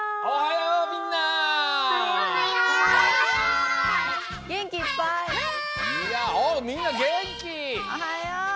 おはよう。